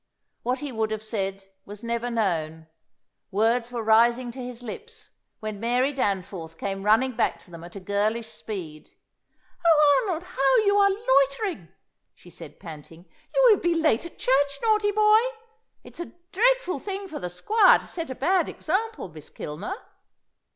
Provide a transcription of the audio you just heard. What he would have said was never known; words were rising to his lips when Mary Danforth came running back to them at a girlish speed. "Oh, Arnold, how you are loitering!" she said, panting. "You will be late at church, naughty boy! It's a dreadful thing for the Squire to set a bad example, Miss Kilner."